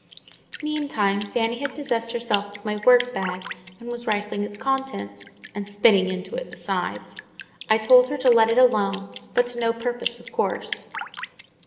Meantime, Fanny had possessed herself of my work bag, and was rifling its contents—and spitting into it besides. I told her to let it alone, but to no purpose, of course.